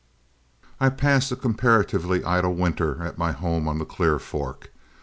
I passed a comparatively idle winter at my home on the Clear Fork.